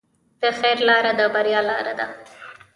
د خیر لاره د بریا لاره ده.